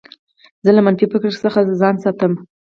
زه له منفي فکرو څخه ځان ساتم.